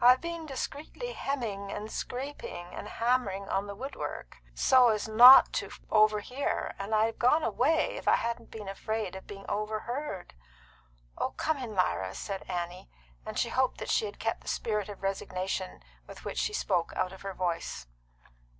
"I've been discreetly hemming and scraping and hammering on the wood work so as not to overhear, and I'd have gone away if I hadn't been afraid of being overheard." "Oh, come in, Lyra," said Annie; and she hoped that she had kept the spirit of resignation with which she spoke out of her voice.